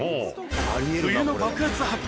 冬の爆発・発火！